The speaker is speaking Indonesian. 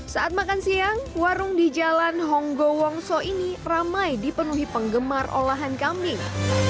saat makan siang warung di jalan honggo wongso ini ramai dipenuhi penggemar olahan kambing